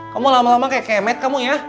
kamu lama lama seperti kemet kamu